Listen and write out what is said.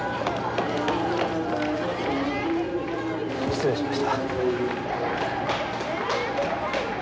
失礼しました。